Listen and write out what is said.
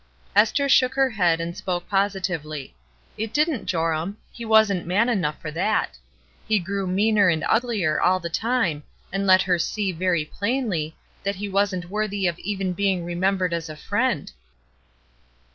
Esther shook her head and spoke positively: "It didn't, Joram; he wasn't man enough 322 ESTER RIED'S NAMESAKE for that. He grew meaner and uglier all the time, and let her see, very plainly, that he wasn't worthy of even being remembered as a friend."